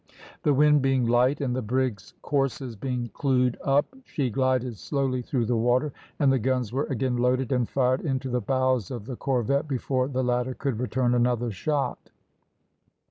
The wind being light and the brig's courses being clewed up, she glided slowly through the water, and the guns were again loaded and fired into the bows of the corvette before the latter could return another shot.